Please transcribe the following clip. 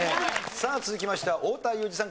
さあ続きましては太田裕二さん